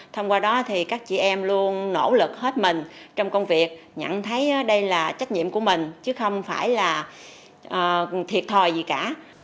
thông qua đó thì các chị em luôn nỗ lực hết mình trong công việc nhận thấy đây là trách nhiệm của mình chứ không phải là thiệt thòi gì cả